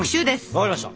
分かりました。